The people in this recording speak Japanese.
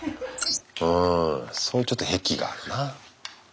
うんそういうちょっと癖があるな。